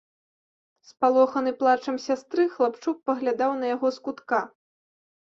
Спалоханы плачам сястры, хлапчук паглядаў на яго з кутка.